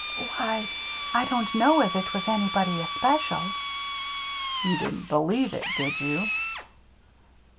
" Why — I don't know as it was anybody especial." " You didn't believe it, did you